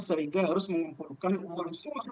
sehingga harus mengumpulkan uang suap